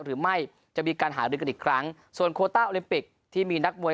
หรือไม่จะมีการหารือกันอีกครั้งส่วนโคต้าโอลิมปิกที่มีนักมวย